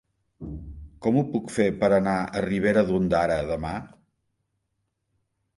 Com ho puc fer per anar a Ribera d'Ondara demà?